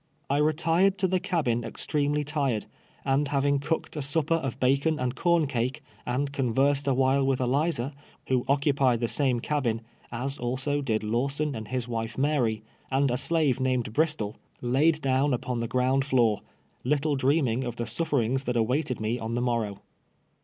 I retired to the cabin extremely tired, and having cooked a supper of bacon and corn cake, and conversed a while with Eliza, who occupied the same cabin, as also did Lawson and his wife Mary, and a slave named Bristol, laid down upon the ground floor, little dreaming of the suti'erings that awaited me on the morrow.